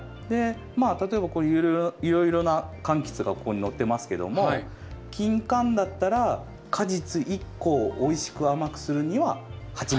例えばいろいろな柑橘がここに載ってますけどもキンカンだったら果実１個をおいしく甘くするには８枚。